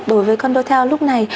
đối với con đôi theo lúc này